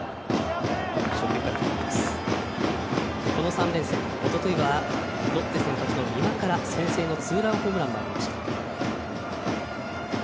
３連戦、おとといはロッテ先発の美馬から先制のツーランホームランがありました。